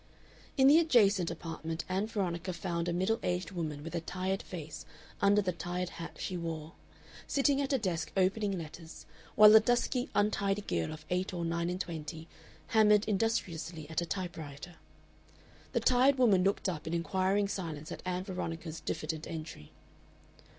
In the adjacent apartment Ann Veronica found a middle aged woman with a tired face under the tired hat she wore, sitting at a desk opening letters while a dusky, untidy girl of eight or nine and twenty hammered industriously at a typewriter. The tired woman looked up in inquiring silence at Ann Veronica's diffident entry.